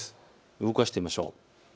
動かしてみましょう。